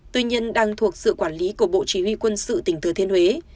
tuy nhiên đang thuộc sự quản lý của bộ chỉ huy quân sự tỉnh thừa thiên huế